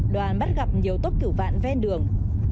đoàn bắt gặp nhiều tốc cửu vạn ven đường